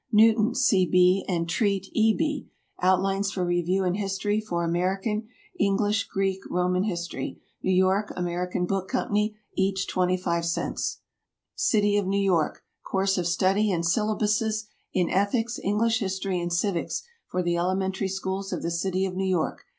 NEWTON, C. B., and TREAT, E. B. "Outlines for Review in History for American, English, Greek, Roman History." New York, American Book Co. Each 25 cents. NEW YORK, CITY OF "Course of Study and Syllabuses In Ethics, English History and Civics for the Elementary Schools of the City of New York."